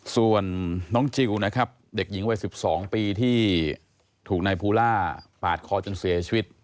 ส่วนน้องจิลนะครับเด็กหญิงวัย๑๒ปีที่ถูกนายภูล่าปาดคอจนเสียชีวิต